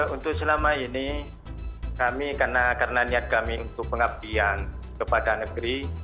untuk selama ini kami karena niat kami untuk pengabdian kepada negeri